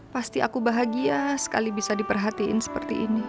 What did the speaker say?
pasti aku bahagia sekali bisa diperhatiin seperti ini